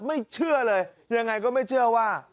ไม่เชื่อเลยยังไงก็ไม่เชื่อว่า